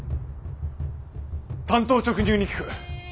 単刀直入に聞く。